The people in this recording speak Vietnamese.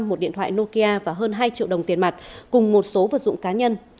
một điện thoại nokia và hơn hai triệu đồng tiền mặt cùng một số vật dụng cá nhân